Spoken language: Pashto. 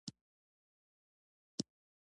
د انټي مټر له مادې سره په تماس کې له منځه ځي.